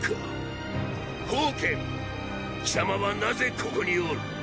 煖貴様はなぜここにおる。